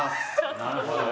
なるほどね。